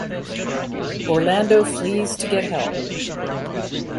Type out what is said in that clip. Orlando flees to get help.